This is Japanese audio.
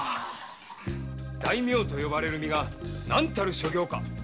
大名と呼ばれる身が何たる所業。